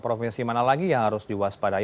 provinsi mana lagi yang harus diwaspadai